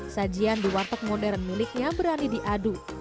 sajian di warteg modern miliknya berani diadu